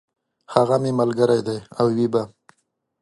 هغه مي ملګری دی او وي به !